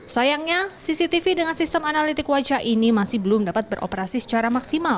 sayangnya cctv dengan sistem analitik wajah ini masih belum dapat beroperasi secara maksimal